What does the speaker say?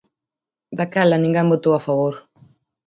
Daquela ninguén votou a favor.